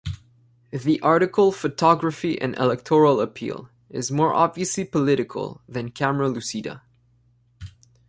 The article "Photography and Electoral Appeal" is more obviously political than "Camera Lucida".